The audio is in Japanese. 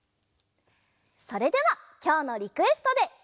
それではきょうのリクエストで。